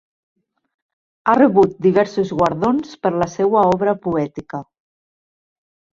Ha rebut diversos guardons per la seua obra poètica.